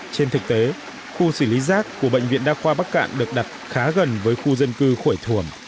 trên thực tế khu xử lý rác của bệnh viện đa khoa bắc cạn được đặt khá gần với khu dân cư khổi thuồng